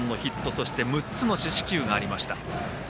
そして６つの四死球がありました。